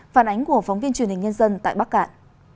phản ánh của phóng viên truyền hình nhân dân tại bắc cạn